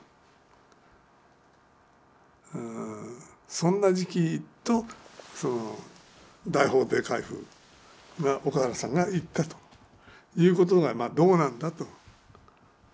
そんな時期と大法廷回付が岡原さんが言ったということがまあどうなんだと。